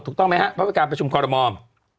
ถูกต้องไหมฮะพระวิการประชุมคอลโรมอล์